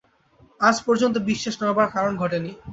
আজ পর্যন্ত বিশ্বাস নড়বার কারণ ঘটে নি।